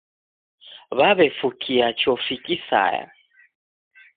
W'aw'efukia chofi kisaya